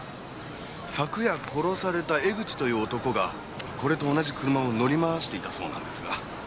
昨夜殺された江口という男がこれと同じ車を乗り回していたそうなんですが。